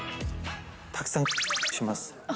たくさん×××します。